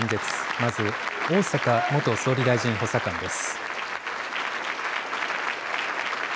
まず逢坂元総理大臣補佐官です。